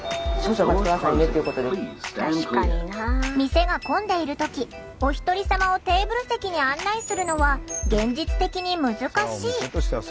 店が混んでいる時おひとり様をテーブル席に案内するのは現実的に難しい。